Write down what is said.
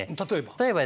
例えば？